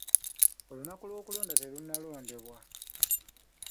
Olunaku lw'okulonda terunalondebwa.